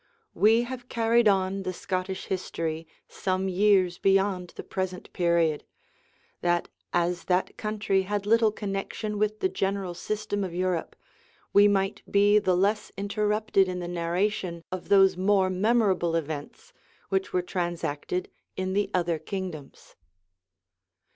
We have carried on the Scottish history some years beyond the present period; that, as that country had little connection with the general system of Europe, we might be the less interrupted in the narration of those more memorable events which were transacted in the other kingdoms.